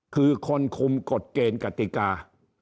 คือคนคุมกฎเกณฑ์กติกา